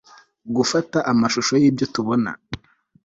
gufata amshusho yibyotubona